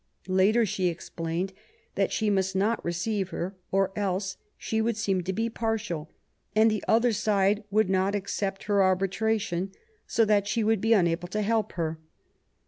Later, she explained that she must not receive her, or else she would seem to be partial, and " the other side would not accept her arbitration, so that she would be unable to help her*'.